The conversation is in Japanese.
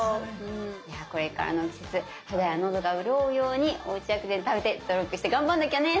これからの季節肌やのどがうるおうようにおうち薬膳食べて努力して頑張んなきゃね。